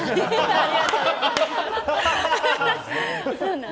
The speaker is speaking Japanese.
ありがとうございます。